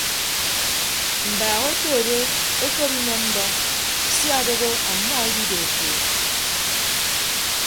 Mbaak oto ke ndo ekop inem ndọ sia odooho ọmmọ edido keed.